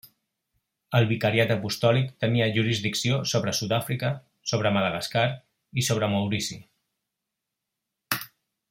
El vicariat apostòlic tenia jurisdicció sobre Sud-àfrica, sobre Madagascar i sobre Maurici.